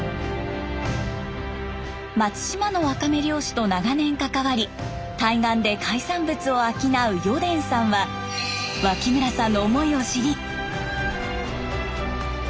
松島のワカメ漁師と長年関わり対岸で海産物を商う余傳さんは脇村さんの思いを知り。